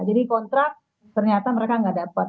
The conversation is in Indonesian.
jadi kontrak ternyata mereka nggak dapat